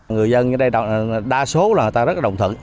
người dân ở đây đa số là người ta rất là đồng thận